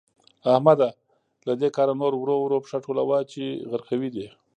احمده؛ له دې کاره نور ورو ورو پښه ټولوه چې غرقوي دي.